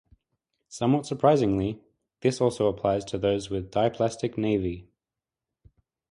Somewhat surprisingly, this also applies to those with dysplastic nevi.